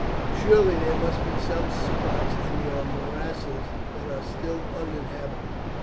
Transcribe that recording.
Surely there must be some spots in your morasses that are still uninhabited.